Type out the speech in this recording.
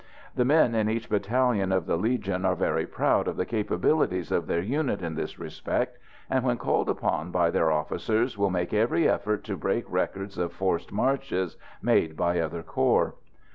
The men in each battalion of the Legion are very proud of the capabilities of their unit in this respect, and when called upon by their officers will make every effort to break records of forced marches made by other corps.